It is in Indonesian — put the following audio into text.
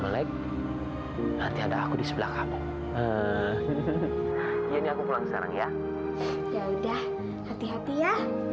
baik baik nanti ada aku di sebelah kamu ini aku pulang sekarang ya ya udah hati hati ya